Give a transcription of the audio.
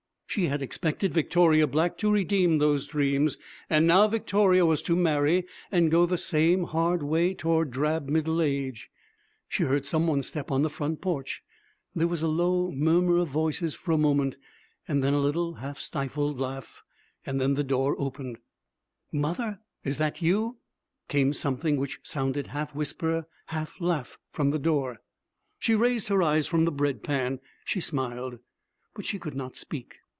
She had expected Victoria Black to redeem those dreams. And now Victoria was to marry and go the same hard way toward drab middle age. She heard some one step on the front porch. There was a low murmur of voices for a moment and a little half stifled laugh. Then the door opened. 'Mother, is that you?' came something which sounded half whisper, half laugh from the door. She raised her eyes from the bread pan. She smiled. But she could not speak.